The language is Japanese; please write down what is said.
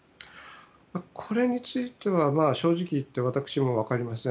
これについては正直言って、私も分かりません。